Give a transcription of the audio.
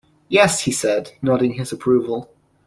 "Yes," he said, nodding his approval.